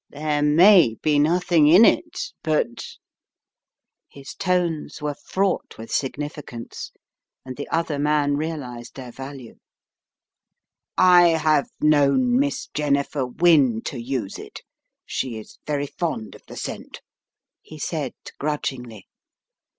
There may be nothing in it, but " His tones were fraught with significance, and the other man realized their value. 128 The Riddle of the Purple Emperor "I have known Miss Jennifer Wynne to use it. She is very fond of the scent," he said, grudgingly.